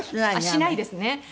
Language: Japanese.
しないですね。